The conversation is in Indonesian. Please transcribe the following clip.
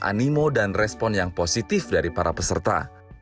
animo dan respon yang positif dari para peserta